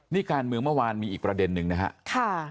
นี่การเมืองเมื่อวานมีอีกประเด็นนึงนะครับ